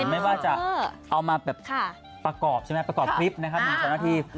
ไม่ว่าจะเอามาแบบประกอบคลิป๑๒นาที